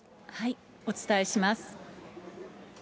お伝えします。